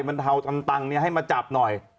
เบ้มันถาวตัลตังให้มาจับหน่อย